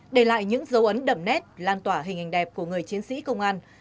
để lại những dấu ấn đậm nét lan tỏa hình hình đẹp của người chiến sĩ công an